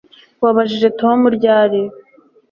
wabajije tom ryari